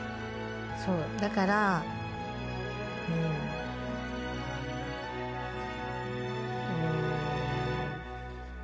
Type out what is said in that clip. そうだからうん。うーん。